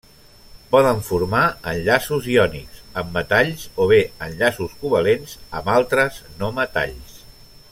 Poden formar enllaços iònics amb metalls, o bé enllaços covalents amb altres no-metalls.